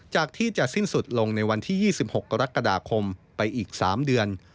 ที่จะสิ้นสุดลงในวันที่๒๖กรกฎาคมไปอีก๓เดือน